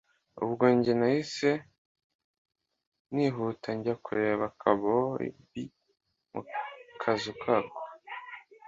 ubwo njye nahise nihuta njya kureba ka bobi mukazu kako